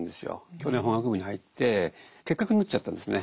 京大の法学部に入って結核になっちゃったんですね。